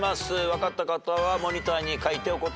分かった方はモニターに書いてお答えください。